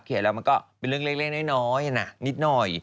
เคลียร์แล้วมันก็เป็นเรื่องเล่นน้อยน่ะนิดน้อย